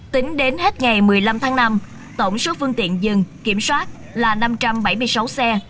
tính đến hết ngày một mươi năm tháng năm tổng số phương tiện dừng kiểm soát là năm trăm bảy mươi sáu xe